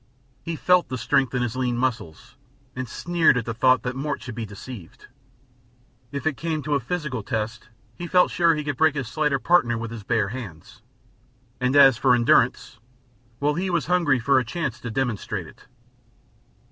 He felt the strength in his lean muscles, and sneered at the thought that Mort should be deceived. If it came to a physical test he felt sure he could break his slighter partner with his bare hands, and as for endurance well, he was hungry for a chance to demonstrate it.